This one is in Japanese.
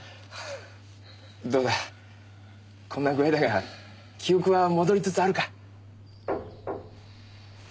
どうだこんな具合だが記憶は戻りつつあるか？